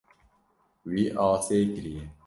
Wî asê kiriye.